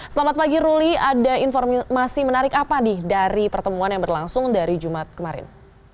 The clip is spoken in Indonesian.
selamat pagi ruli ada informasi menarik apa dari pertemuan yang berlangsung dari jumat kemarin